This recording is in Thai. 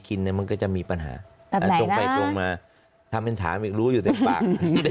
กินเนี่ยมันก็จะมีปัญหาตรงไปตรงมาทำเป็นถามอีกรู้อยู่แต่ปาก